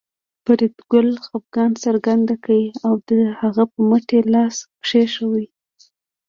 فریدګل خپګان څرګند کړ او د هغه په مټ یې لاس کېښود